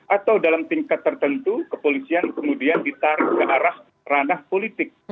atau dalam tingkat tertentu kepolisian kemudian ditarik ke arah ranah politik